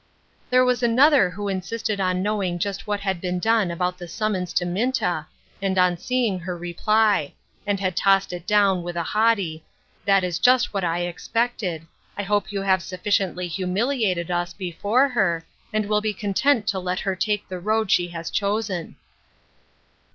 There was another who insisted on knowing just what had been done about the summons to Minta, and on seeing her reply ; and had tossed it down with a haughty, "That is just what I expected. I hope you have sufficiently humiliated us before her, and will be content to let her take the road she has chosen."